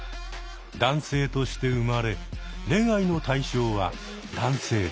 男性として生まれ恋愛の対象は男性です。